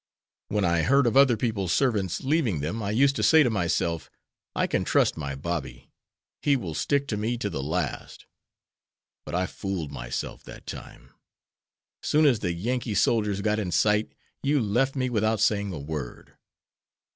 When I heard of other people's servants leaving them I used to say to myself, 'I can trust my Bobby; he will stick to me to the last.' But I fooled myself that time. Soon as the Yankee soldiers got in sight you left me without saying a word.